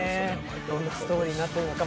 どんなストーリーになっているのか？